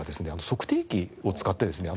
測定器を使ってですね